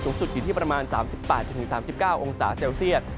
สุดอยู่ที่ประมาณ๓๘๓๙องศาเซลเซียต